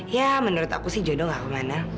ya menurut aku sih jodoh gak kemana